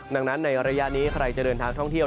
ดังนั้นในระยะนี้ใครจะเดินทางท่องเที่ยว